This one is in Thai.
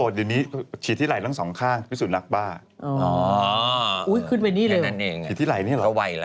โอเคแต่คนนี้เค้าน่าจะเชื่อว่าอยู่ในดูดต่างดาว